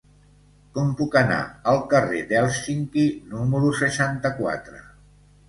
Com puc anar al carrer d'Hèlsinki número seixanta-quatre?